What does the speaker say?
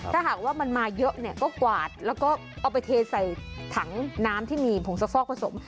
ถ้าหากว่ามันมาเยอะเนี่ยก็กวาดแล้วก็เอาไปเทใส่ถังน้ำที่มีผงซักฟอกผสม